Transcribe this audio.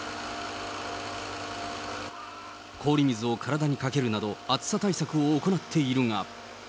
氷水を体にかけるなど、暑さ対策を行っているが。